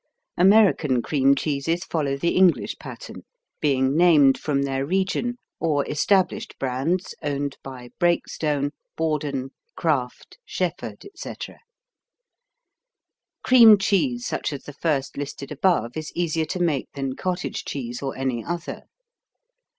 American cream cheeses follow the English pattern, being named from then: region or established brands owned by Breakstone, Borden, Kraft, Shefford, etc. Cream cheese such as the first listed above is easier to make than cottage cheese or any other.